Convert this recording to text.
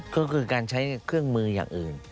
ก็คือการใช้เครื่องมืออย่างอื่น